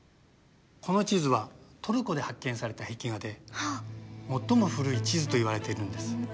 この地図はトルコで発見された壁画で最も古い地図といわれているんです。